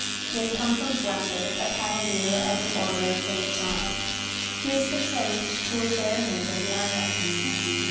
He had come from Flanders, a cavalier of the order of St. John. He was betrothed to a fair maid of the island.